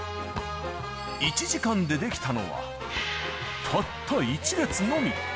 １時間で出来たのは、たった１列のみ。